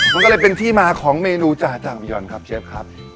มันก็เลยเป็นที่มาของเมนูจาจังพี่ยอนครับเชฟครับ